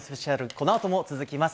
このあとも続きます。